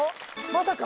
まさか？